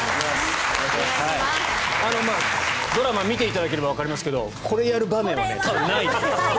ドラマ見ていただければわかりますけどこれをやる場面は多分ないですね。